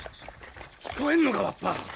聞こえんのかわっぱ。